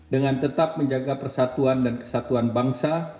dengan tetap menjaga persatuan dan kesatuan bangsa